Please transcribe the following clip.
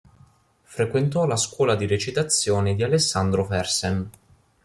Frequentò la scuola di recitazione di Alessandro Fersen.